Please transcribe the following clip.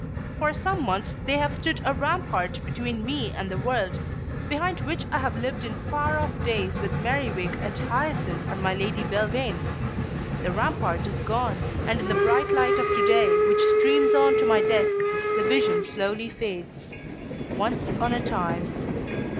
For some months they have stood a rampart between me and the world, behind which I have lived in far off days with Merriwig and Hyacinth and my Lady Belvane. The rampart is gone, and in the bright light of to day which streams on to my desk the vision slowly fades. Once on a time